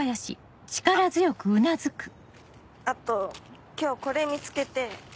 あっあと今日これ見つけて。